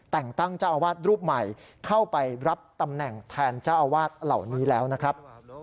แต่งตั้งเจ้าอาวาสรูปใหม่เข้าไปรับตำแหน่งแทนเจ้าอาวาสเหล่านี้แล้วนะครับ